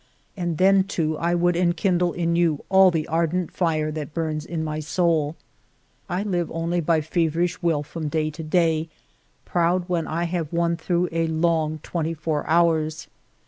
And then, too, I would enkindle in you all the ardent fire that burns in my soul. ..." I live only by feverish will from day to day, proud when I have won through a long twenty four hours.